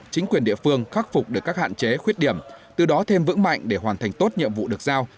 chính quyền địa phương khắc phục được các hạn chế khuyết điểm từ đó thêm vững mạnh để hoàn thành tốt nhiệm vụ được giao